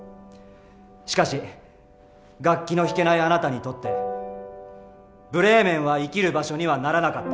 しかし楽器の弾けないあなたにとってブレーメンは生きる場所にはならなかった。